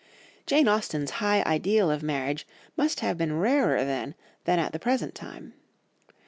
Jane Austen's high ideal of marriage must have been rarer then than at the present time.